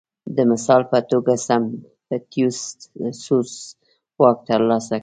د مثال په توګه سیپټیموس سوروس واک ترلاسه کړ